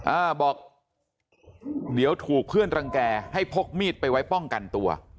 อ่าบอกเดี๋ยวถูกเพื่อนรังแก่ให้พกมีดไปไว้ป้องกันตัว